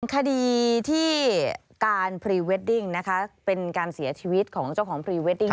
คดีที่การพรีเวดดิ้งนะคะเป็นการเสียชีวิตของเจ้าของพรีเวดดิ้ง